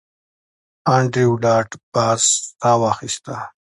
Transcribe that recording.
انډریو ډاټ باس ساه واخیسته